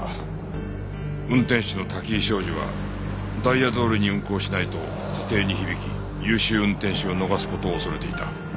運転手の滝井昭二はダイヤどおりに運行しないと査定に響き優秀運転手を逃す事を恐れていた。